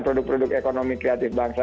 produk ekonomi kreatif bangsa